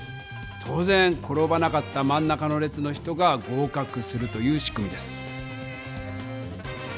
当ぜん転ばなかったまん中の列の人が合かくするという仕組みです。